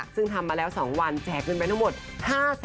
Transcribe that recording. ซึ่งทำมาแล้ว๒วันแจกเงินไปทั้งหมด๕๐๐๐๐๐บาทค่ะ